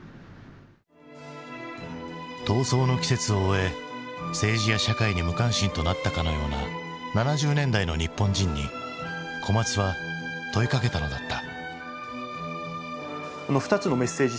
闘争の季節を終え政治や社会に無関心となったかのような７０年代の日本人に小松は問いかけたのだった。